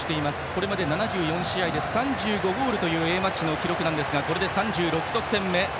これまで７４試合で３５ゴールというＡマッチの記録なんですがこれで３６得点目。